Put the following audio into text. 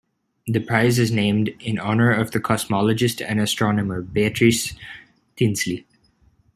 The prize is named in honor of the cosmologist and astronomer Beatrice Tinsley.